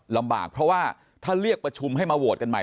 ลำบากเพราะว่าถ้าเรียกประชุมให้มาโหวตกันใหม่